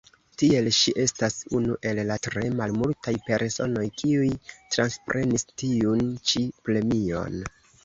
Tiel ŝi estas unu el la tre malmultaj personoj, kiuj transprenis tiun ĉi premion.